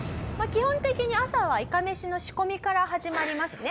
基本的に朝はいかめしの仕込みから始まりますね。